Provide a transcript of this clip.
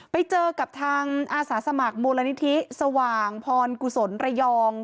ไปเจอกับทางอาสาสมัครมูลนิธิสว่างพรกุศลระยอง